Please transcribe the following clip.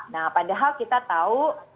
nah padahal kita tahu